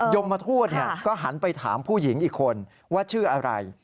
ยมทูตก็หันไปถามผู้หญิงอีกคนว่าชื่ออะไร